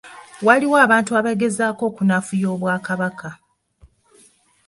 Waliwo abantu abagezaako okunafuya Obwakabaka.